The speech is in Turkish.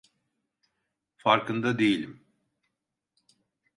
Farkında değilim!